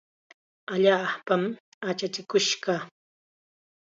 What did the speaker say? Allaapam achachikush kaa.